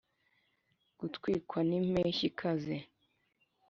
gutwikwa nimpeshyi ikaze.